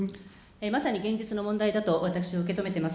まさに現実の問題だと私受け止めております。